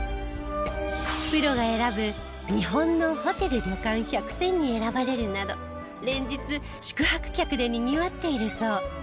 プロが選ぶ日本のホテル・旅館１００選に選ばれるなど連日宿泊客でにぎわっているそう。